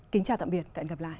kính chào tạm biệt và hẹn gặp lại